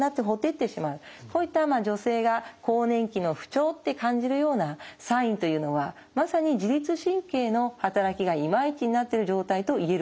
こういった女性が更年期の不調って感じるようなサインというのはまさに自律神経の働きがいまいちになってる状態と言えるわけなんです。